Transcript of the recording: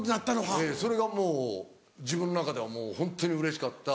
ええそれがもう自分の中ではホントにうれしかった。